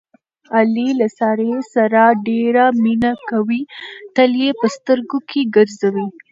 علي له سارې سره ډېره مینه کوي، تل یې په سترګو کې ګرځوي.